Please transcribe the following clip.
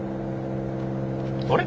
あれ？